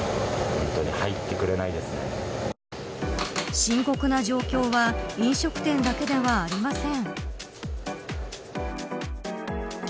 深刻な状況は飲食店だけではありません。